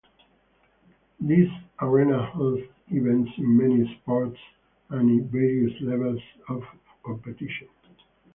This arena hosts events in many sports and in various levels of competition.